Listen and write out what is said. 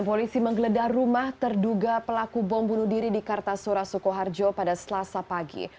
polisi menggeledah rumah terduga pelaku bom bunuh diri di kartasura sukoharjo pada selasa pagi